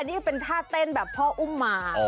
นี่เป็นท่าเต้นแบบพ่ออุ้มมา